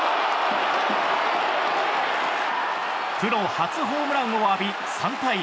プロ初ホームランを浴び３対０。